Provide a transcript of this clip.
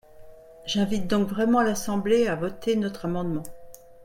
J’invite donc vraiment l’Assemblée à voter notre amendement.